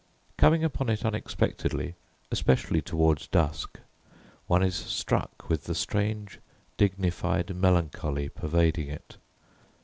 Coming upon it unexpectedly, especially towards dusk, one is struck with the strange, dignified melancholy pervading it.